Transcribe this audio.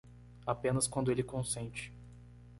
Apenas quando ele consente.